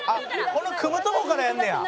この組むとこからやんねや。